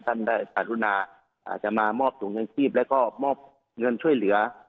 ท่านได้กรุณาอาจจะมามอบถุงยางชีพแล้วก็มอบเงินช่วยเหลือ